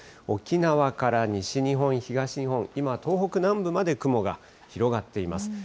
沖縄から西日本、東日本、今、東北南部まで雲が広がっています。